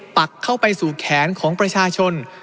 ปักเข้าไปสู่แขนของประชาชน